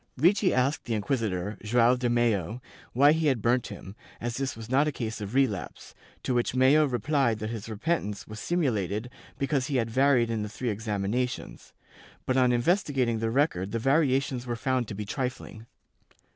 Ricci asked the inquisitor, Joao de Mello, why he had burnt him, as this was not a case of relapse, to which Mello replied that his repentance was simulated because he had varied in the three examinations, but on investigating the record the variations were found to be trifling.